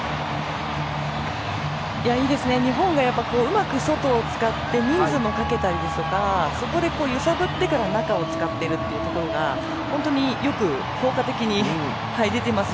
いいですね、日本がうまく外を使って、人数もかけたりとかそこで、揺さぶってから中を使っているというところが本当に、よく効果的に出てます。